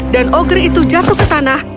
dan ogri itu jatuh ke tanah